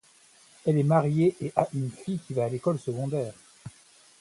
Elle est mariée et a une fille qui va à l'école secondaire.